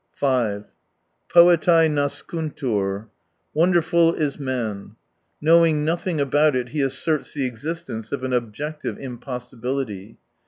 5 Poetae nascuntur. — Wonderful is man. Knowing nothing about it, he asserts the existence of an objective impossibility.